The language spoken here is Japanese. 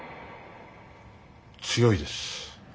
強いです。